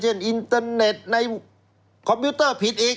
อินเตอร์เน็ตในคอมพิวเตอร์ผิดอีก